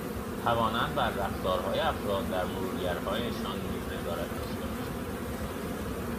توانند بر رفتارهای افراد در مرورگرهایشان نیز نظارت داشته باشند